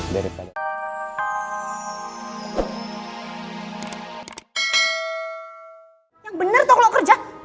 yang benar tuh kalau kerja